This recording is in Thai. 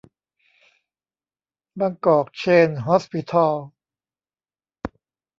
บางกอก เชน ฮอสปิทอล